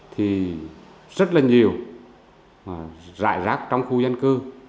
thì rất là nhiều rại rác trong khu dân cư